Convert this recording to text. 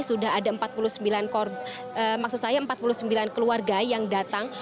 sudah ada empat puluh sembilan keluarga yang datang